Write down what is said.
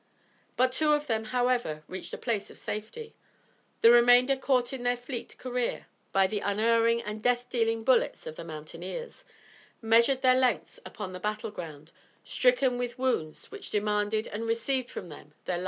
But two of them however reached a place of safety. The remainder, caught in their fleet career by the unerring and death dealing bullets of the mountaineers, measured their lengths upon the battle ground, stricken with wounds which demanded and received from them their last wild war whoop.